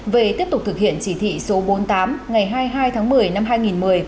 về tiếp tục thực hiện chỉ thị số bốn mươi tám ngày hai mươi hai tháng một mươi năm hai nghìn một mươi của bộ chính trị